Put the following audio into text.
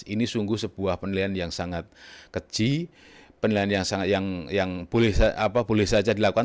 ini sungguh sebuah penilaian yang sangat keji penilaian yang boleh saja dilakukan